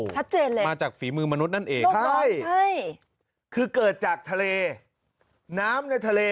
ชัดเจนเลยมาจากฝีมือมนุษย์นั่นเองใช่คือเกิดจากทะเลน้ำในทะเล